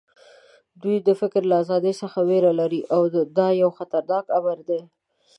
دوی د فکر له ازادۍ څخه وېره لري او دا یو خطرناک امر دی